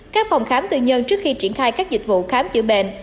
các phòng khám tư nhân trước khi triển khai các dịch vụ khám chữa bệnh